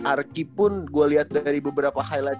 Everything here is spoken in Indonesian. arki pun gue lihat dari beberapa highlight